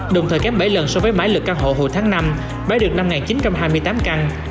đồng thời kém bảy lần so với mái lượt căn hộ hồi tháng năm bán được năm chín trăm hai mươi tám căn